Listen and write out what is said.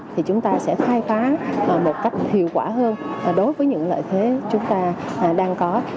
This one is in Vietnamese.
thì chúng ta sẽ khai phá một cách hiệu quả hơn đối với những lợi thế chúng ta đang có